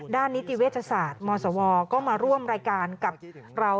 ด้านนิติเวทย์ศาสตร์มศมาร่วมรายการกับเรา